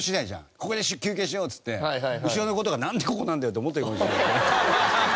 ここで休憩しようって言って後ろの子とかなんでここなんだよって思ってるかもしれない。